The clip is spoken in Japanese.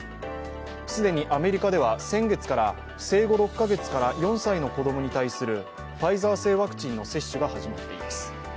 既にアメリカでは先月から生後６カ月から４歳の子供に対するファイザー製ワクチンの接種が始まっています。